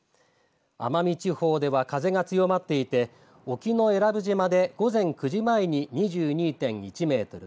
奄美地方では風が強まっていて沖永良部島で午前９時前に２２．１メートル